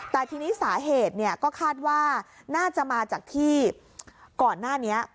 แต่ทีนี้สาเหตุก็คาดว่าน่าจะมาจากที่ก่อนหน้านี้